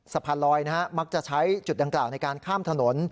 สะพานลอยมักจะใช้จุดดังกล่าวในการข้ามถนน